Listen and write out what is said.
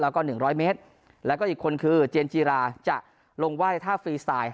แล้วก็๑๐๐เมตรแล้วก็อีกคนคือเจนจีราจะลงไหว้ท่าฟรีสไตล์